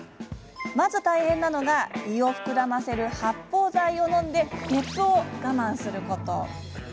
まず大変なのが胃を膨らませる発泡剤を飲んでげっぷを我慢すること。